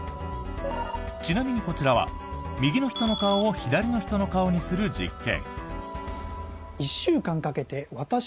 ちなみに、こちらは右の人の顔を左の人の顔にする実験。